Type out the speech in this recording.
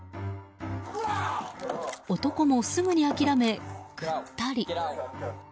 男もすぐに諦め、ぐったり。